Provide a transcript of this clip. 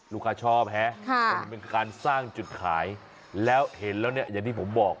ชอบฮะมันเป็นการสร้างจุดขายแล้วเห็นแล้วเนี่ยอย่างที่ผมบอก